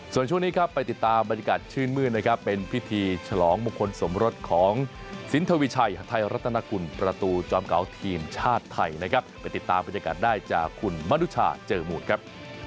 ส่วนช่วงนี้ครับไปติดตามบรรยากาศชื่นมืดนะครับเป็นพิธีฉลองมงคลสมรสของสินทวิชัยไทยรัฐนากุลประตูจอมเก่าทีมชาติไทยนะครับไปติดตามบรรยากาศได้จากคุณมนุชาเจอมูลครับ